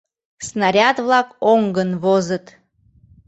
Снаряд-влак оҥгын возыт